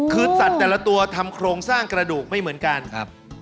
คือสัตว์แต่ละตัวทำโครงสร้างกระดูกไม่เหมือนกันครับ